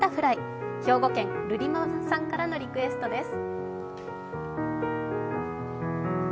兵庫県・留璃ママさんさんからのリクエストです。